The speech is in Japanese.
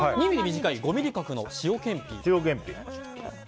２ｍｍ短い５ｍｍ角の塩けんぴ。